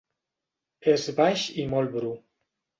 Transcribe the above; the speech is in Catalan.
És baix i molt bru.